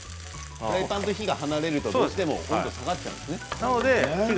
フライパンと火が離れるとどうしても温度下がっちゃうんですね。